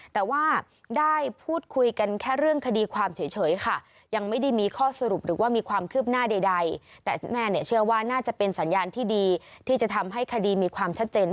แต่ว่าได้พูดคุยกันแค่เรื่องคดีความเฉยค่ะ